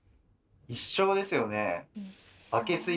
一生ですよね。